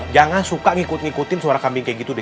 jangan suka ngikut ngikutin suara kambing kayak gitu deh